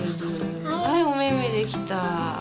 はいおめめできた。